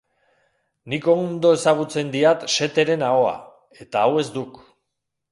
Nik ondo ezagutzen diat Setheren ahoa, eta hau ez duk.